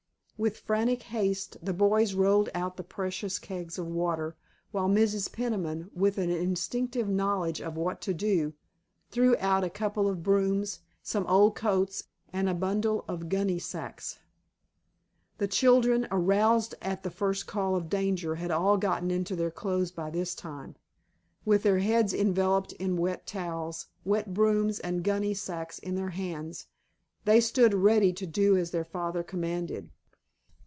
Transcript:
With frantic haste the boys rolled out the precious kegs of water, while Mrs. Peniman, with an instinctive knowledge of what to do, threw out a couple of brooms, some old coats, and a bundle of gunny sacks. The children, aroused at the first call of danger, had all gotten into their clothes by this time. With their heads enveloped in wet towels, wet brooms and gunny sacks in their hands, they stood ready to do as their father commanded.